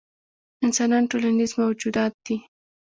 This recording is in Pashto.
انسانان ټولنیز موجودات دي.